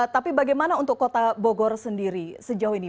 tapi bagaimana untuk kota bogor sendiri sejauh ini